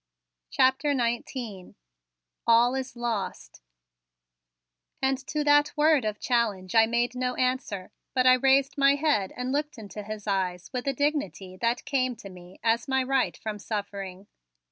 CHAPTER XIX ALL IS LOST And to that word of challenge I made no answer, but I raised my head and looked into his eyes with a dignity that came to me as my right from suffering.